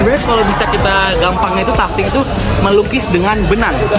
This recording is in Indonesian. sebenarnya kalau bisa kita gampangnya itu supping itu melukis dengan benang